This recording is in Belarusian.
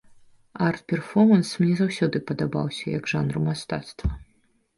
Арт-перфоманс мне заўсёды падабаўся, як жанр мастацтва.